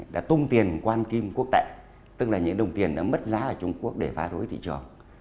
đã tung tiền quan kim quốc tệ tức là những đồng tiền đã mất giá ở trung quốc để phá rối thị trường